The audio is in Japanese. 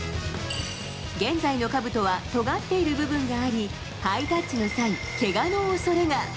現在のかぶとはとがっている部分があり、ハイタッチの際、けがのおそれが。